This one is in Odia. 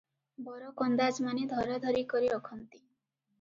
ବରକନ୍ଦାଜମାନେ ଧରାଧରି କରି ରଖନ୍ତି ।